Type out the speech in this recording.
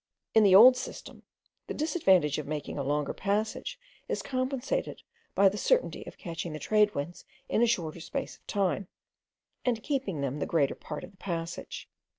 In the old system, the disadvantage of making a longer passage is compensated by the certainty of catching the trade winds in a shorter space of time, and keeping them the greater part of the passage.